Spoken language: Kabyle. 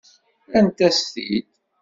Rrant-as-t-id.